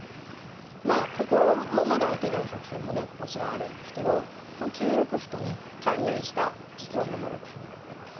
まあここもまだ開けない作戦もねもちろんあるんですけどこの９六歩とね関連した実は７六歩になってます。